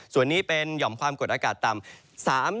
ส่วนนี้เป็นหย่อมความกดอากาศต่ำ